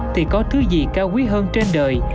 thì có thứ gì cao quý hơn trên đời